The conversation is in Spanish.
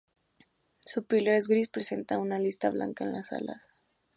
Su píleo es gris y presenta una lista blanca en las alas.